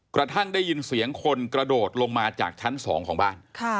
กระทั่งได้ยินเสียงคนกระโดดลงมาจากชั้น๒ของบ้าน